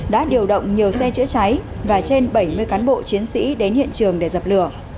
đã điều động nhiều xe chữa cháy và trên bảy mươi cán bộ chiến sĩ đến hiện trường để dập lửa